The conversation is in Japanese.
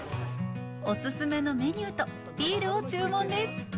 オススメのメニューとビールを注文です。